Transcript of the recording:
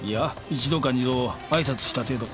一度か二度挨拶した程度。